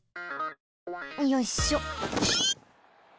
よいしょ。